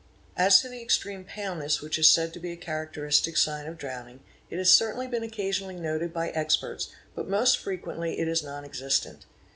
As to the extreme paleness which is said to be a characteristic sign of drowning, it has certainly been occasionally noted .by experts, but most frequently it is non existent.